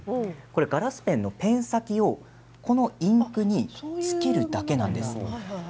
ガラスペンはペン先をインクにつけるだけなんです。